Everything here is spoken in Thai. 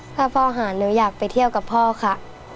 ถ้าพ่อหาหนูอยากไปเที่ยวกับพ่อค่ะ